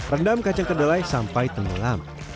rendam kacang kedelai sampai tenggelam